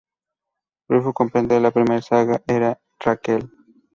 Rulfo comprende que la primera Saga era Raquel.